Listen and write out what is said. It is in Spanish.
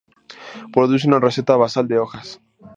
Produce una roseta basal de hojas.